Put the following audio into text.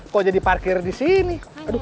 kok jadi parkir di sini aduh